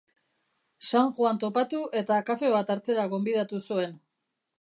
Sanjuan topatu eta kafe bat hartzera gonbidatu zuen.